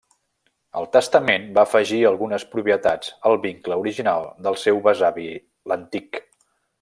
Al testament va afegir algunes propietats al vincle original del seu besavi l’antic.